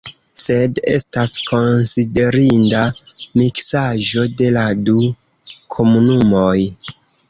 Sed estas konsiderinda miksaĵo de la du komunumoj.